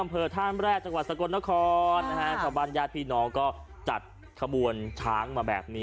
อำเภอท่ามแรกจังหวัดสกลนครนะฮะชาวบ้านญาติพี่น้องก็จัดขบวนช้างมาแบบนี้